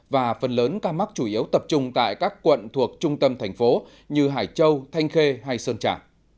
và phần lớn ca mắc chủ yếu tập trung tại các quận thuộc trung tâm thành phố như hải châu thanh khê hay sơn trà